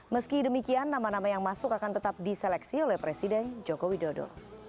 meski demikian nama nama yang masuk akan tetap diseleksi oleh presiden joko widodo